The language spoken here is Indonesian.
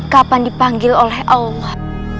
kapan dipanggil oleh allah